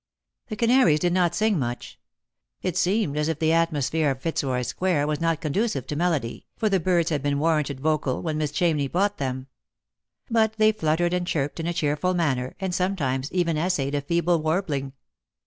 The canaries did not sing much. It seemed as if the atmosphere of Fitzroy square were not conducive to melody, for the birds had been warranted vocal when Miss Chamney bought them. But they fluttered and chirped in a cheerful manner, and sometimes even essayed a feeble warbling.